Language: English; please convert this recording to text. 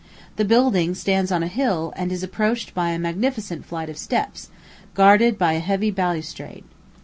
The building stands on a hill, and is approached by a magnificent flight of steps, guarded by a heavy balustrade.